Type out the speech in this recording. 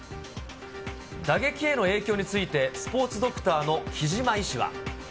打撃への影響について、スポーツドクターの木島医師は。